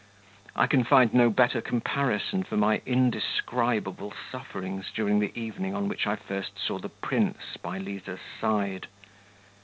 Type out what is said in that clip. I can find no better comparison for my indescribable sufferings during the evening on which I first saw the prince by Liza's side.